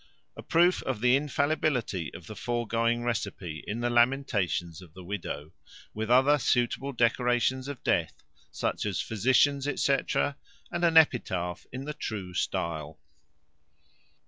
A proof of the infallibility of the foregoing receipt, in the lamentations of the widow; with other suitable decorations of death, such as physicians, &c., and an epitaph in the true stile.